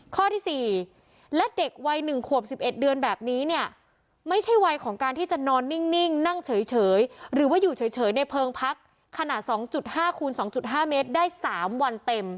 ข้อที่๔และเด็กวัย๑ขวบ๑๑เดือนแบบนี้เนี่ยไม่ใช่วัยของการที่จะนอนนิ่งนั่งเฉยหรือว่าอยู่เฉยในเพลิงพักขนาด๒๕คูณ๒๕เมตรได้๓วันเต็ม